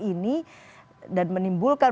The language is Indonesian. ini dan menimbulkan